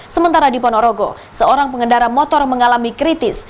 sementara di ponorogo seorang pengendara motor mengalami kritis